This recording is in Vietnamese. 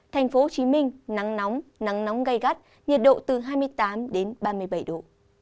thành phố hồ chí minh nắng nóng nắng nóng gai gắt nhiệt độ từ hai mươi tám đến ba mươi bảy độ